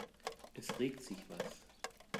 Es regt sich was.